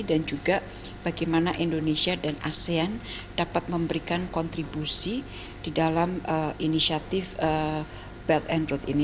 juga bagaimana indonesia dan asean dapat memberikan kontribusi di dalam inisiatif belt and road ini